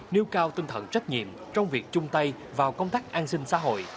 nêu cao tinh thần trách nhiệm trong việc chung tay vào công tác an sinh xã hội